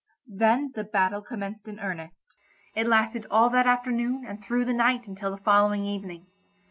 Then the battle commenced in earnest. It lasted all that afternoon and through the night until the following evening.